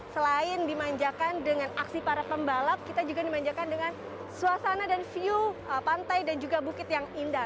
selain dimanjakan dengan aksi para pembalap kita juga dimanjakan dengan suasana dan view pantai dan juga bukit yang indah